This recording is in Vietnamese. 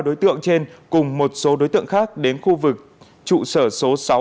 nên tối ngày năm tháng một cả ba đối tượng trên cùng một số đối tượng khác đến khu vực trụ sở số sáu